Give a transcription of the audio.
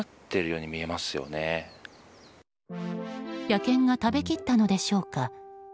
野犬が食べきったのでしょうか。